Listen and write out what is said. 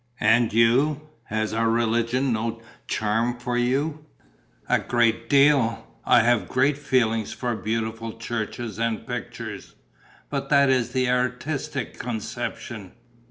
"And you, has our religion no charm for you?" "A great deal! I have a great feeling for beautiful churches and pictures. But that is an artistic conception.